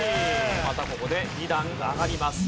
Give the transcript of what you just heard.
またここで２段上がります。